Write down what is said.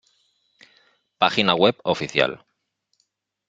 Página web oficial